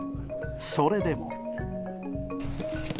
それでも。